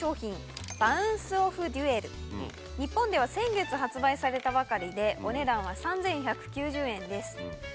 日本では先月発売されたばかりでお値段は３１９０円です。